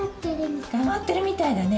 つかまってるみたいだね。